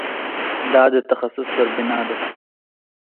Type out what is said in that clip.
دا د تخصص پر بنا ده.